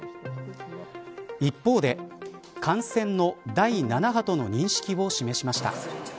一方で感染の第７波との認識を示しました。